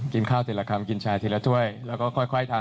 กินข้าวทีละคำกินชาทีละถ้วยแล้วก็ค่อยทำ